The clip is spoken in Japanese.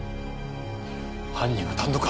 犯人は単独犯。